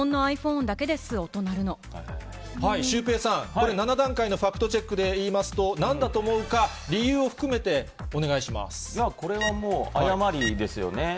日本のｉＰシュウペイさん、これ７段階のファクトチェックでいいますと、なんだと思うか、理由を含めておこれはもう、誤りですよね。